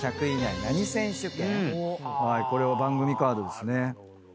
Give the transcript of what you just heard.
これは番組カードですね。